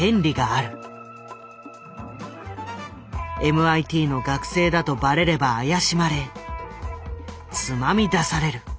ＭＩＴの学生だとばれれば怪しまれつまみ出される。